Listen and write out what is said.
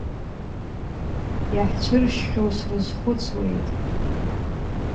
Иаҳцәыршьхьоу срызхәыцуеит.